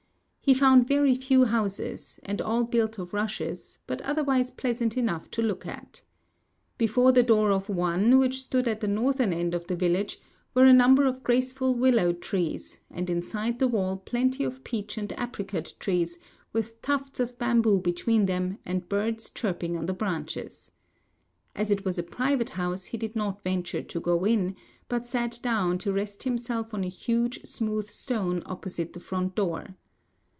He found very few houses, and all built of rushes, but otherwise pleasant enough to look at. Before the door of one, which stood at the northern end of the village, were a number of graceful willow trees, and inside the wall plenty of peach and apricot trees, with tufts of bamboo between them, and birds chirping on the branches. As it was a private house he did not venture to go in, but sat down to rest himself on a huge smooth stone opposite the front door.